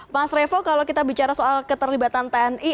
mas revo kalau kita bicara soal keterlibatan tni